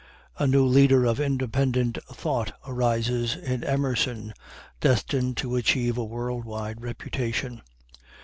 A new leader of independent thought arises in Emerson, destined to achieve a world wide reputation.